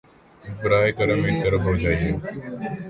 براہ کرم ایک طرف ہو جایئے